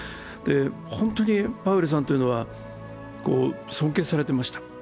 本当にパウエルさんというのは尊敬されていました。